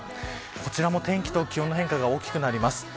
こちらも天気と気温の変化が大きくなります。